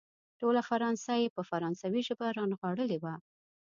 ټوله فرانسه يې په فرانسوي ژبه رانغاړلې وه.